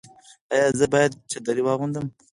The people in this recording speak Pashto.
ایا زه باید چادري واغوندم؟